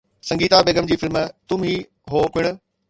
سنگيتا بيگم جي فلم ’تم هي هو‘ پڻ